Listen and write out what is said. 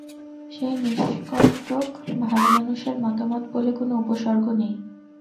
সেই নিষ্কণ্টক ভালোমানুষের মতামত বলে কোনো উপসর্গ নেই।